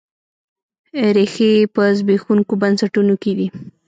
ریښې یې په زبېښونکو بنسټونو کې دي.